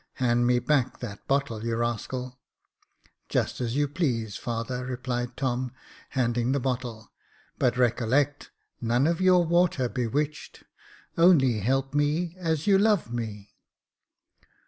Hand me back that bottle, you rascal." " Just as you please, father," replied Tom, handing the bottle ;" but recollect, none of your ivater bewitched. Only help me as you love me."